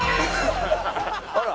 あら。